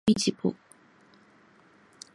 喜欢的艺人是滨崎步。